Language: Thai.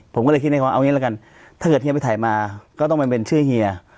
ผมก็เลยคิดในความเอางี้ละกันถ้าเกิดเฮียไปถ่ายมาก็ต้องไปเป็นชื่อเฮีย